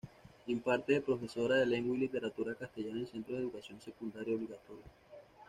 Imparte de profesora de lengua y literatura castellana en centros de educación secundaria obligatoria.